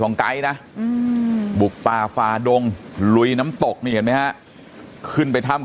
ของก๋ายนะบุกตาฟาดงลุยน้ำตกนี่เห็นไหมครับขึ้นไปทำ